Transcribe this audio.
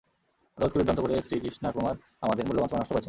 আদালতকে বিভ্রান্ত করে শ্রী কৃষ্ণা কুমার আমাদের, মূল্যবান সময় নষ্ট করেছেন।